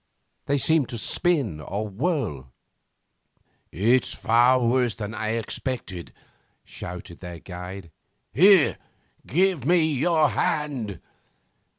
They seemed to spin or whirl. 'It's far worse than I expected,' shouted their guide; 'here! Give me your hand!